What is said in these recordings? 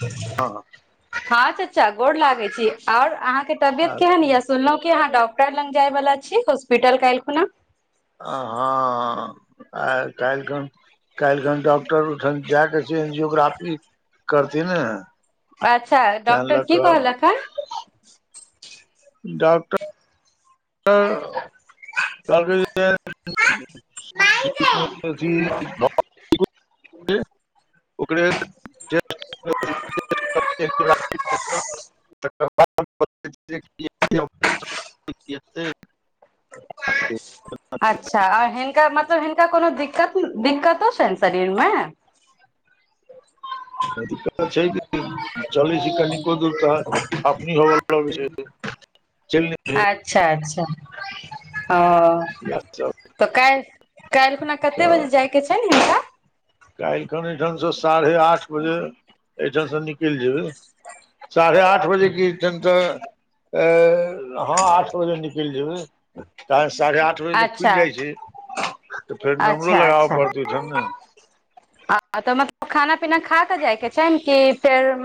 हँ चाचा गोड लागै छी आओर अहाँ के तबियत केहन य सुनलं अह डॉक्टर लग जाय वला छी होस हॉस्पिटल काऐल खुना आ हँ आ काल्हिखन काल्हिखन डॉक्टर ओहिठन जा कऽ से एंजियोग्राफी करथिन ने अच्छा तैं डॉक्टर लऽ की कऽ कहलक हन डॉक्टर ए रौ ओकरे [unintelligible] अच्छा आ हिनका मतलब हिनका कोनो दिक्क दिकक दिक्कतो छै शरीरमे दिककत छै चलई छै कनि दूर त हकमी हुअ लागय छै चल न [inaudible] यात सभ तऽ काल्हि काल्हि खुना कते बजे जायके छै ने हिनका काल्हि खन एहिठामसँ साढ़े आठ बजे एहिठामसँ निक कल जेबै साढ़े आठ बजे क छनि तऽ अ ह आठ बजे निकल जेबै साढ़े आठ बजे तक अच्छा खुलि जाइ छै तऽ फेर नम्बरो अच्छा लगाबऽ अच्छा पड़तै ओहिठाम ने आ तऽ मतलब खाना पीना खा तऽ जायके छै ने कि फेर मत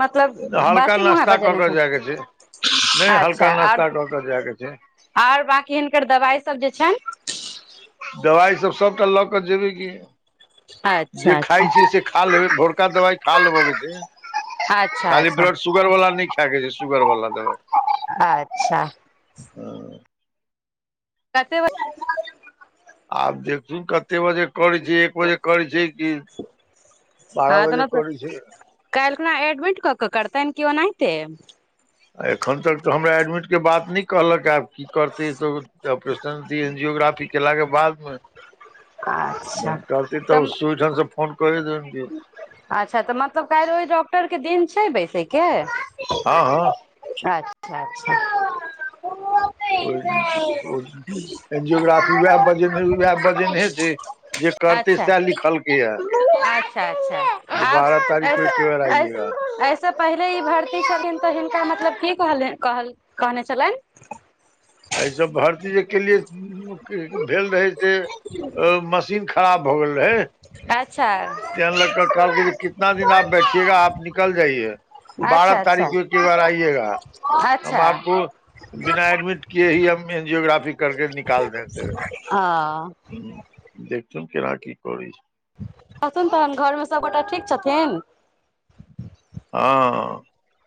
ने मतलब हल्का बासी मुँहे नाश्ता कऽ बजेने कऽ जायके छै नहि छनि हल्का अच्छा आओर नाश्ता कऽ कऽ जायके छै आओर बकी हिनकर दवाइ सब जे छेन दबाइसभ सभटा लऽ कऽ जेबै कि य जे अच्छा खाइ अच्छा छियै से खा लेबै भोरका दबाइ खा लेब के छै अच्छा खाली अच्छा ब्लड सुुगर वाला नहि खा के सुगर बलला अच्छा दवाय कतेक बजे आब देखु कते बजे त बाजे करी छै एक बजे करी छै कि बारा बजे करी छै अपना एडमिट कऽ के करतनि कि ओनाहिते आ एखन तक तऽ हमरा एडमिटके बात नहि कहलक आब की करतै तऽ ऑपरेशनी एन्जियोग्राफी कयलाके बादमे अच्छा जानकरती तऽ सु ढंग से फोन कर द अच्छा तऽ मतलब काल ओहि डॉक्टर के दिन छै बैसे के हँ हँ अच्छा अच्छा ओहि ओ एन्जियोग्राफी उएह वजन उएह वजनहे छै जे करतै अच्छा सएह लिखलकैए अच्छा अच्छा ऐस आइएगा ऐसे पहिले ई भर्ती छलन तऽ हिनका मतलब की कहल कह कहने छलनि एहिसभ भरतीजे के लिए भेल रहै से मशीन ख खराब भऽ गेल रहै अच्छा तै लकअ कहलकिन कि कितना दिन आप बैठियएगा आप निकल जाइए बारह अच्छा अच्छा तारीखके एक्के बार आइएगा हम अच्छा आपको बिना एडमिट इही अमे जे जोग्रफ करके निकाल देंगे ह देखथुन केना की करै छै अथुन तहन घरमे सभगोटा ठीक छथिन ह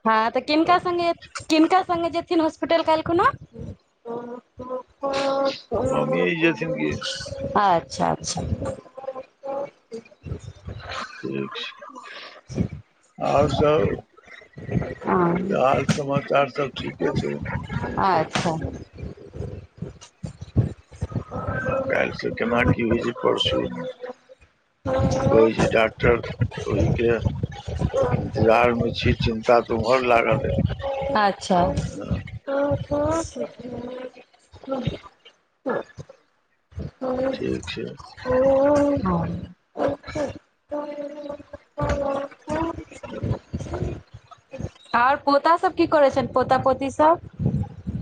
हँ तऽ किमका संघे किमका स् जे हॉस्पिटल काइलखुना छै मम्मीए ई जेथिन कि आच अच्छा अच्छा ठीक छै ह आओर सभ ह तऽ हाल समाचार सब ठीके छै अच्छा आब काल्हि से केना की होइ छै परसू की कहै छै डॉक्टर ओहिके इन्तजार मे छी चिन् तुम्हर लागल हैतय ह हँ ठीक छै ह ओ हँ आर पोता सब की कर छ पोता पोती सब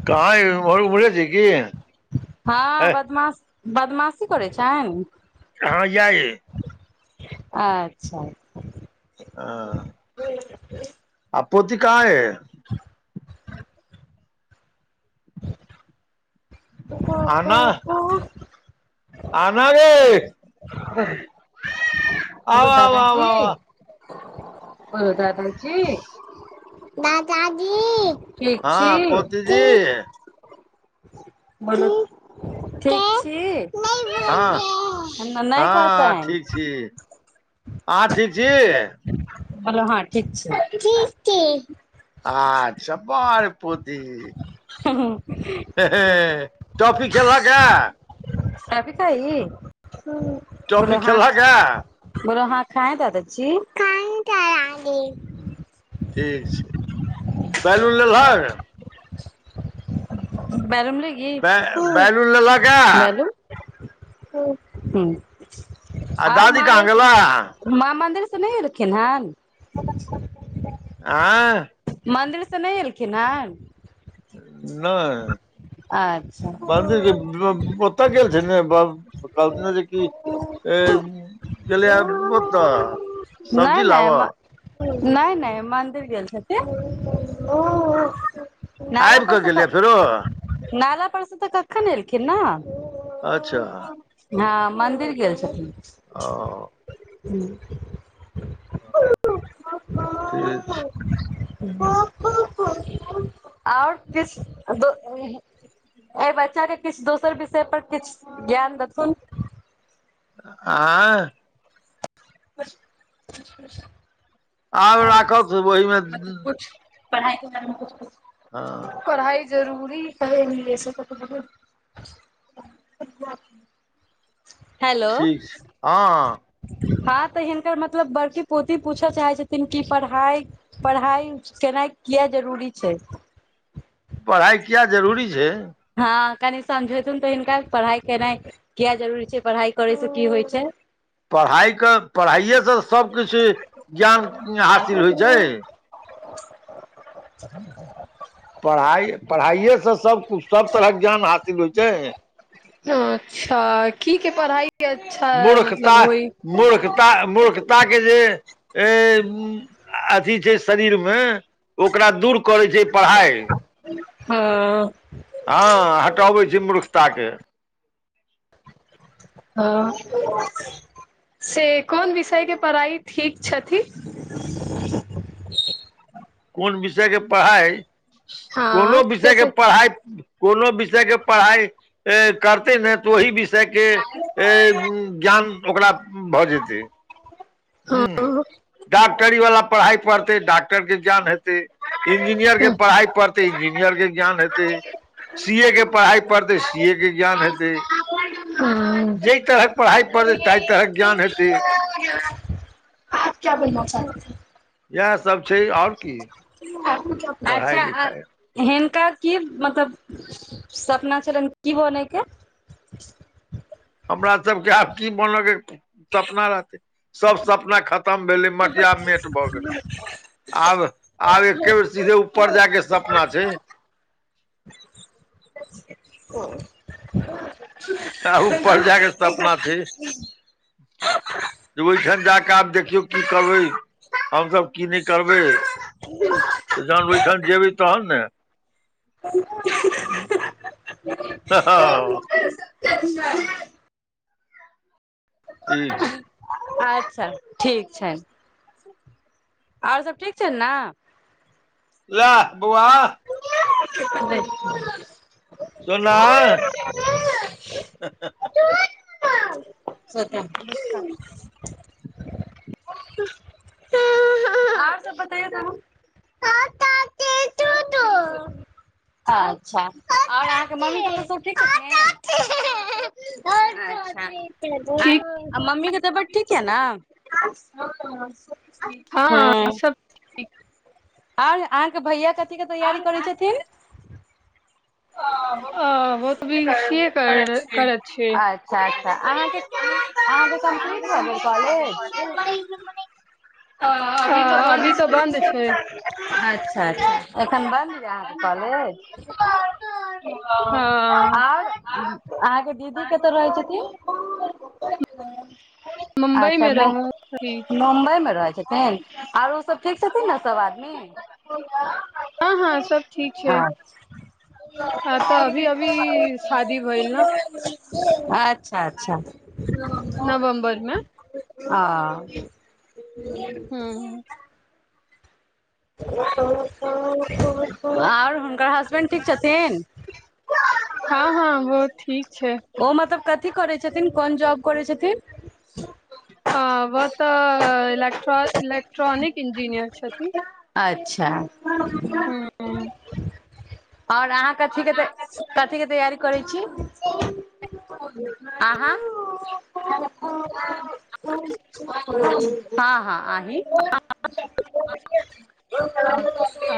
कहाँ उमर उमहर भेल छै की हँ बदमाश बदमाशी करेय छैन हँ य ये अच्छा ह [unintelligible] आ पोति कहाँ ये आन बोलू आना रे आ आब आब आब ओ दादाजी दादाजी ठीक छी हँ पोती जी ब ठीक छी बनि हँ गेल। हमरा नहि हँ कहतनि ठीक छी आहँ ठीक छी हलो हँ ठीक छै ठीक आछ बाहरे पोती हँ हँ हे हे टाॅफी खेलहक ए टॉफी खायी टॉफी खेलहक ए बोलो हा खाए दादा जी खाए दादा जी ठीक छै बैलून लेलहक [inaudible] बैलून लेगी बै बैलून लेलहक ए बैलून हू आ और दादी कहाँ गेला मां मन्दिर से नहि एलखिन हैन आय मन्दिरसँ नहि एलखिन हन नहि अच्छा [unintelligible] कतऽ गेल छै बाब कलत ने जेकी अ गेलैये ओतऽ नहि सब्जी नहि लाबअ नहि नहि मन्दिर गेल छथिन ओ नाला आबि पर कऽ गेलियै फेरो न उतस तऽ कखन एलखिन न अच्छा मंन्दिर गेल छथिन ओ हूं ठीक छै आओर किछु एहि बच्चाके किछु दोसर विषय पर किछु ज्ञान देथुन आँय [inaudible] आब राखल छैइ ओहि मे ज् ज् पढ़ाई के बारे में कुछ-कुछ पढ़ाई जरूरी के न ल ठीक छैइ हँ हां तऽ हिनकर मतलब बड़की पोती पूछय चाहै छथिन कि पढ़ाई पढ़ाई केनाइ किया जरूरी छैय पढ़ाइ किया जरूरी छै ह कनि समझेथुन तऽ हिनका पढ़ाई केनाइ किया जरूरी छै पढ़ाइ करय से की होइ छै पढ़ाई के पढ़ाइएसँ सभकिछु ज्ञान हासिल होइ छै [inaudible] पढ़ाई पढ़ाइएसँ सबकुछ सब तरहक ज्ञान हासिल होइ छैय पढ़ाई मूर्खता मूर्खता मूर्खता के जे ऐ अथी छै शरीर में ओकरा दूर करै छैय पढ़ाई हँअ् हटबै छै मूर्खताके हँअ् से कोन विषय के पढ़ाई ठीक छथि कोन विषय के पढ़ाई कोनो हँ विषय के जैसे पढ़ाई कोनो विषय के पढ़ाई ए करतै ने तऽ ओहि विषय के ए ज्ञान ओकरा भऽ जेतै हँ ह डॉक्टरी वाला पढ़ाई पढ़ डॉक्टर के जान हेतै इंजीनियर के पढ़ाई पढ़तै इंजीनियर के ज्ञान हेतै हतैे सी ए के पढ़ाई पढ़तै सी ए के ज्ञान हेतै हँ जेहि तरहक पढ़ाई पढ़तै ताहि तरहक ज्ञान हेतै आप क्या बनना चाहते थे इएह सब छय आओर की पढ़ाइ अच्छा लिखाइ हीन हिनका की मतलब सपना छलैन की बनयके हमरा सबके आब की बनयके सपना रहतय सब सपना खतम भेलै मटिया मेट भऽ गेलै आब आब एके बेर सीधे ऊपर जायके सपना छय आ ऊपर जााक सब अपना छै जे ओहिठाम जा कऽ आब देखियौ की करबै हमस की नहि करबै जहन ओहिठाम जेबै तहन ने हँ ठीक छै अच्छा ठीक छनि आओर सभ ठीक छैन नय ला बौआ [inaudible] सोना हँ सत अच्छा अहाँ के मम्मी पापा सब ठीक छथिन ठीक मम्मी के तबियत ठीक यै ने ह हँ सब ठीक और अहाँके भैया क कथि के तैयारी करै छथिन आ ओ तऽ बी सीए कर करैत छय अच्छा अच्छा अहाँके अहाँके कम्प्लीट भऽ गेल कॉलेज अभी तऽ बन्द छै अच्छा अच्छा एखन बन्द यऽ अहाँके कॉलेज हँ आओर अहाँके दीदी कतऽ रहय छथिन ओ मुम्बई अच्छा मे मु रहथि मुम्बइमे आओर ओ अब ठीक छथिन ना सब आदमी हँ हँ सब ठीक छै हँ तऽ अभी अभी शादी भइल न अच अच्छा अच्छा नवम्बर मे आ हूँ [inaudible] आर हुनकर हसबेंड ठीक छथिन हँ हँ बो ठीक छै की करै छथिन कोन जॉब करै छथिन आ ब तऽ इलेक्ट्रल ट्रॉनिक इंजीनियर छथि अच्छा हू और अहाँ कथी केे कथी के तैयारी रै छी अहाँ ह ह [unintelligible] अच्छा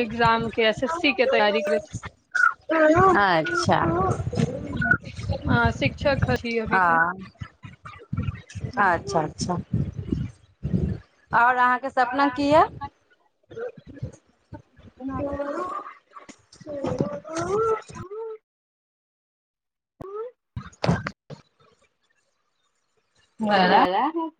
एक्जामके एस एस सी के तैयारी करै छी अच्छा [inaudible] हँ शिक्षक हछी अभी तऽ हँ ह अच्छा और अहाँके सपना की या [inaudible] [inaudible] [inaudible] [unintelligible] [unintelligible] [unintelligible]